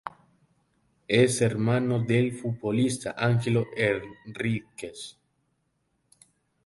Es hermano del futbolista Ángelo Henríquez.